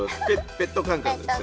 ペット感覚ですね？